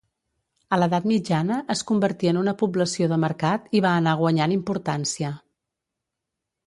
A l'edat mitjana es convertí en una població de mercat i va anar guanyant importància.